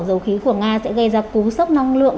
dầu khí của nga sẽ gây ra cú sốc năng lượng